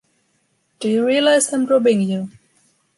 Do you realize I’m robbing you?